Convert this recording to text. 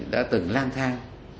đã từng lang thang